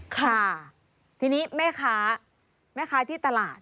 ค่ะทีนี้แม่ค้าแม่ค้าที่ตลาด